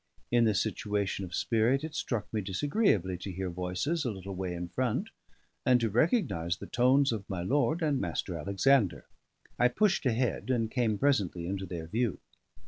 In this situation of spirit it struck me disagreeably to hear voices a little way in front, and to recognise the tones of my lord and Mr. Alexander. I pushed ahead, and came presently into their view.